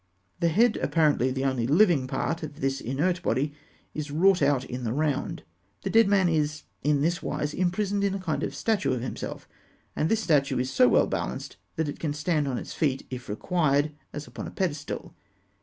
The head, apparently the only living part of this inert body, is wrought out in the round. The dead man is in this wise imprisoned in a kind of statue of himself; and this statue is so well balanced that it can stand on its feet if required, as upon a pedestal.